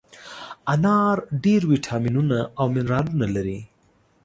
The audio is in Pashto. انار ډېر ویټامینونه او منرالونه لري.